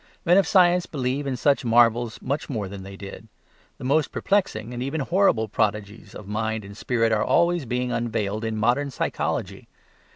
Men of science believe in such marvels much more than they did: the most perplexing, and even horrible, prodigies of mind and spirit are always being unveiled in modern psychology.